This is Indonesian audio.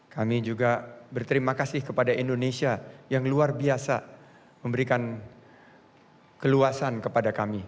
kami juga berterima kasih kepada indonesia yang luar biasa memberikan keluasan kepada kami